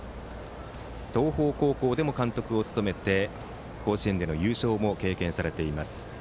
東邦高校でも監督を務めて甲子園での優勝も経験されています。